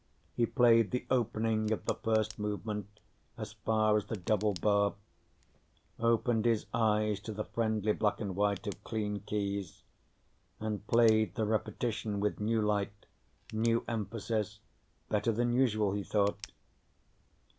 He played the opening of the first movement, as far as the double bar; opened his eyes to the friendly black and white of clean keys and played the repetition with new light, new emphasis. Better than usual, he thought.